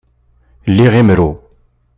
Liɣ imru.